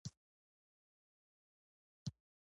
پوهنتون په لار ډېره فرصتي وه.